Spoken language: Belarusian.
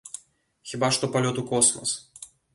Хіба што палёт у космас.